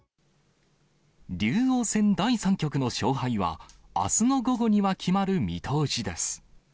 竜王戦第３局の勝敗は、あすの午後には決まる見通しです。